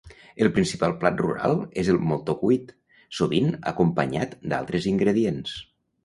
El principal plat rural és el moltó cuit, sovint acompanyat d'altres ingredients.